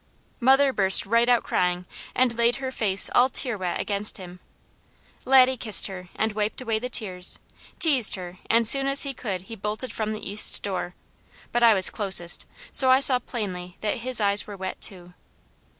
Mother burst right out crying and laid her face all tear wet against him. Laddie kissed her, and wiped away the tears, teased her, and soon as he could he bolted from the east door; but I was closest, so I saw plainly that his eyes were wet too.